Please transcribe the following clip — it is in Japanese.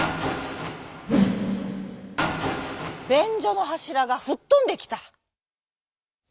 べんじょのはしらがふっとんできた。